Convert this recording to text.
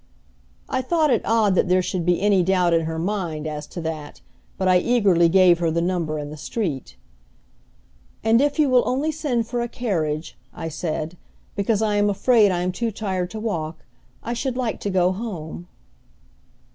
I thought it odd that there should be any doubt in her mind as to that, but I eagerly gave her the number and the street. "And if you will only send for a carriage," I said, "because I am afraid I am too tired to walk, I should like to go home."